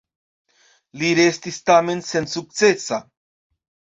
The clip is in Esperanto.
Li restis tamen sensukcesa.